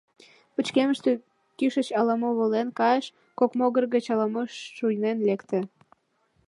Пычкемыште кӱшыч ала-мо волен кайыш, кок могыр гыч ала-мо шуйнен лекте.